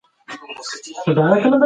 هغوی ته اذیت مه رسوئ.